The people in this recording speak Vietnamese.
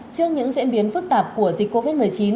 trước những diễn biến phức tạp của dịch covid một mươi chín